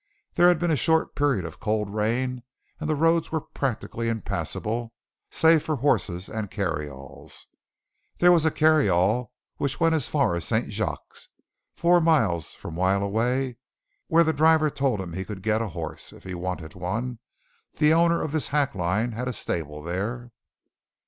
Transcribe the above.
There had been a short period of cold rain and the roads were practically impassable, save for horses and carryalls. There was a carryall which went as far as St. Jacques, four miles from While a Way, where the driver told him he could get a horse, if he wanted one. The owner of this hack line had a stable there.